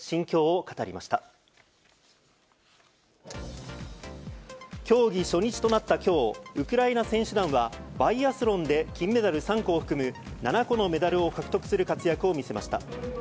競技初日となったきょう、ウクライナ選手団はバイアスロンで金メダル３個を含む７個のメダルを獲得する活躍を見せました。